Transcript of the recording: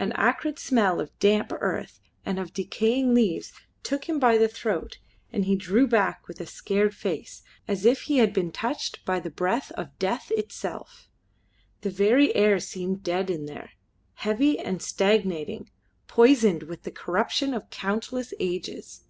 An acrid smell of damp earth and of decaying leaves took him by the throat, and he drew back with a scared face, as if he had been touched by the breath of Death itself. The very air seemed dead in there heavy and stagnating, poisoned with the corruption of countless ages.